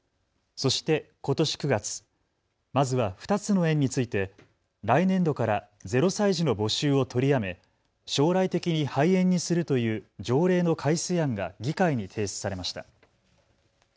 そして、ことし９月まずは２つの園について来年度から０歳児の募集を取りやめ、将来的に廃園にするという条例の改正案が議会に提出されました。